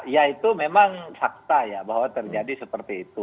ya itu memang fakta ya bahwa terjadi seperti itu